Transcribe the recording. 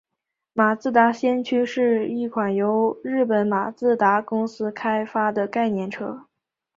马自达先驱是一款由日本马自达公司开发的概念车。